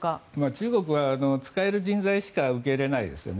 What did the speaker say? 中国は使える人材しか受け入れないですよね。